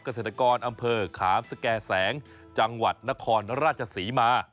เกษตรกรอำเภอขามสแก่แสงจังหวัดนครราชศรีมา